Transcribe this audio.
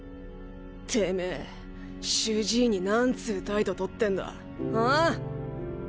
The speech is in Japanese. てめぇ主治医に何つう態度とってんだお？